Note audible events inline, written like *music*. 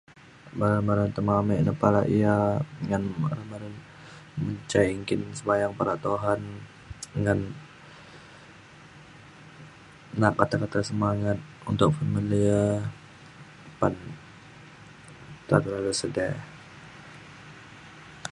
me mere temamik palak ia ngan *unintelligible* mencai engkin sembayang palak Tuhan ngan na kata kata semangat untuk family e apan nta terlalu sedih ek.